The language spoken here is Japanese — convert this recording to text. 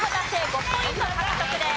５ポイント獲得です。